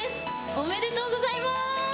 おめでとうございます！